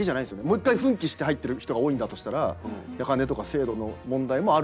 もう一回奮起して入ってる人が多いんだとしたらお金とか制度の問題もある。